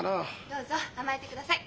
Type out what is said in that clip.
どうぞ甘えてください。